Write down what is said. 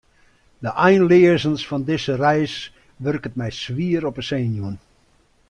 De einleazens fan dizze reis wurket my swier op 'e senuwen.